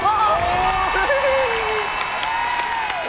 ๒๖บาท